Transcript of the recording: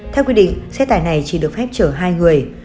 theo quy định xe tải này chỉ được phép chở hai người